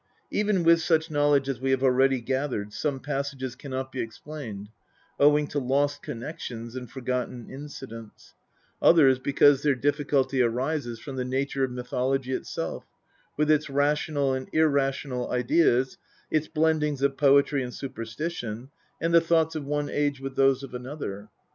Even with such knowledge as we have already gathered some passages cannot be explained, owing to lost connections and forgotten incidents ; others because their difficulty arises from the nature of mythology itself, with its rational and irrational ideas, its blendings of poetry and superstition, and the thoughts of one age with those of another.